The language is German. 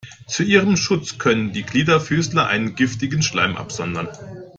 Zu ihrem Schutz können die Gliederfüßer einen giftigen Schleim absondern.